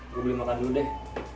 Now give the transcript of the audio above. gue beli makan dulu deh